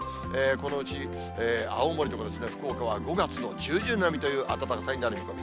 このうち青森とか福岡は５月の中旬並みという暖かさになる見込み。